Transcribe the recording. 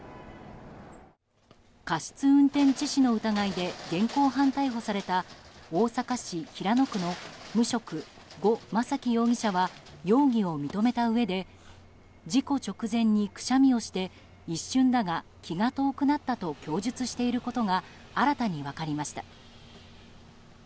過失運転致死の疑いで現行犯逮捕された大阪市平野区の無職ゴ・マサキ容疑者は容疑を認めたうえで事故直前にくしゃみをして一瞬だが気が遠くなったと供述していることが新たに分かりました。